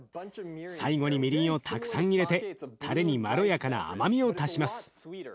最後にみりんをたくさん入れてたれにまろやかな甘みを足します。